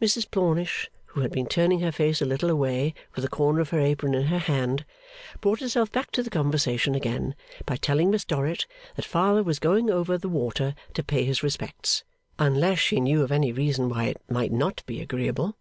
Mrs Plornish, who had been turning her face a little away with a corner of her apron in her hand, brought herself back to the conversation again by telling Miss Dorrit that Father was going over the water to pay his respects, unless she knew of any reason why it might not be agreeable.